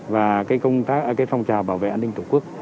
và phong trào bảo vệ an ninh tổ quốc